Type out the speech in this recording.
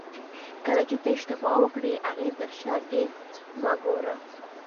کله چې ته اشتباه وکړې هغې ته تر شا ډېر مه ګوره.